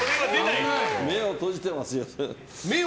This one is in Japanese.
目を閉じてますよ。